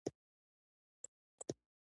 هغه دوه څلوېښت سنټه خالصه ګټه کړې وه.